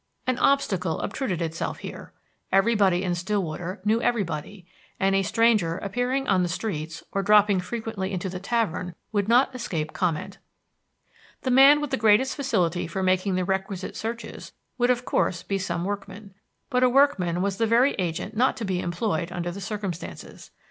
An obstacle obtruded itself here: everybody in Stillwater knew everybody, and a stranger appearing on the streets or dropping frequently into the tavern would not escape comment. The man with the greatest facility for making the requisite searches would of course be some workman. But a workman was the very agent not to be employed under the circumstances.